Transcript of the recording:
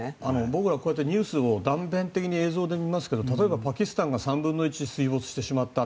僕らこうやってニュースを断片的に映像で見ますけど例えばパキスタンが３分の１水没してしまった。